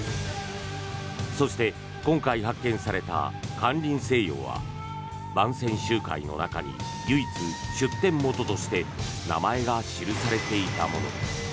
そして今回発見された「間林清陽」は「万川集海」の中に唯一、出典元として名前が記されていたもの。